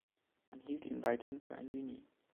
Man hielt ihn weithin für ein Genie.